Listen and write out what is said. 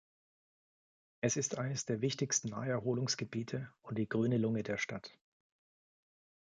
Es ist eines der wichtigsten Naherholungsgebiete und die grüne Lunge der Stadt.